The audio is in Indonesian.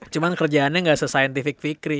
cuman kerjaannya gak se scientific fikri